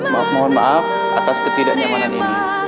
mohon maaf atas ketidaknyamanan ini